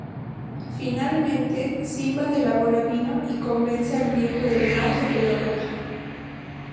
Finalmente, Simbad elabora vino y convence al Viejo del Mar de que lo beba.